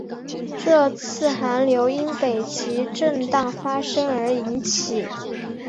这次寒流因北极震荡发生而引起。